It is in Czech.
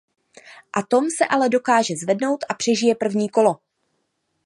Atom se ale dokáže zvednout a přežije první kolo.